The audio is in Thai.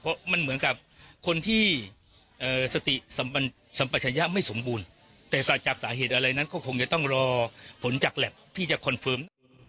เพราะมันเหมือนกับคนที่สติสัมปัชญะไม่สมบูรณ์แต่จากสาเหตุอะไรนั้นก็คงจะต้องรอผลจากแล็บที่จะคอนเฟิร์ม